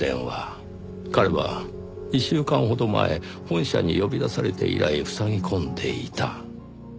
彼は１週間ほど前本社に呼び出されて以来塞ぎ込んでいた。